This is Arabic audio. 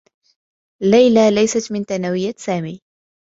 ليلى ليست من ثانويّة سامي.